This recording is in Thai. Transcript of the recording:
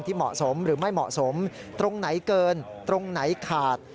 เหมาะสมหรือไม่เหมาะสมตรงไหนเกินตรงไหนขาด